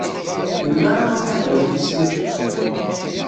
Melmi ara nruḥ ad d-nawi tislit?